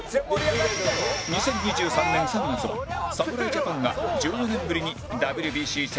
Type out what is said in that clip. ２０２３年３月は侍ジャパンが１４年ぶりに ＷＢＣ 世界一に輝いた